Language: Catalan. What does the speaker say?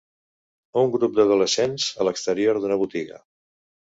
un grup d'adolescents a l'exterior d'una botiga.